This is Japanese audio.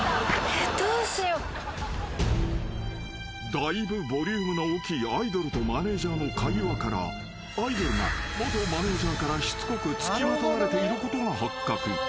［だいぶボリュームの大きいアイドルとマネジャーの会話からアイドルが元マネジャーからしつこく付きまとわれていることが発覚］